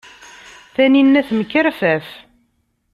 Taninna temkerfaf.